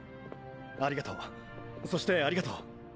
ありがとうそしてありがとう。